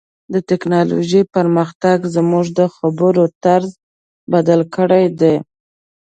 د ټکنالوژۍ پرمختګ زموږ د خبرو طرز بدل کړی دی.